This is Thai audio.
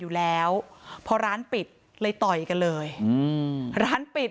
อยู่แล้วพอร้านปิดเลยต่อยกันเลยอืมร้านปิด